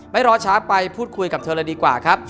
รอช้าไปพูดคุยกับเธอเลยดีกว่าครับ